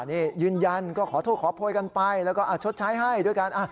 นี่ยืนยันก็ขอโทษขอโพยกันไปแล้วก็ชดใช้ให้ด้วยกัน